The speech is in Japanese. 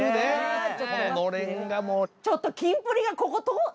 ちょっとキンプリがここ通っ！